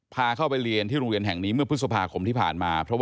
พาเข้าไปเรียนที่โรงเรียนแห่งนี้เมื่อพฤษภาคมที่ผ่านมา